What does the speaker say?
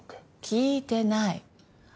聞いてない。